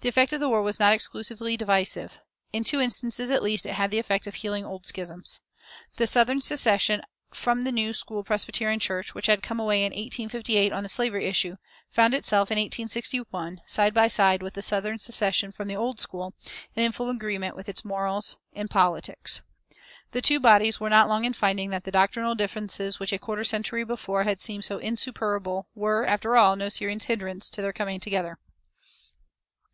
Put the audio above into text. The effect of the war was not exclusively divisive. In two instances, at least, it had the effect of healing old schisms. The southern secession from the New School Presbyterian Church, which had come away in 1858 on the slavery issue, found itself in 1861 side by side with the southern secession from the Old School, and in full agreement with it in morals and politics. The two bodies were not long in finding that the doctrinal differences which a quarter century before had seemed so insuperable were, after all, no serious hindrance to their coming together.